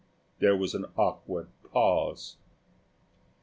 There was an awkward pause.